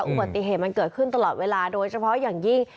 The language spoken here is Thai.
อุบัติเหตุมันเกิดขึ้นตลอดเวลาโดยเฉพาะอย่างยิ่ง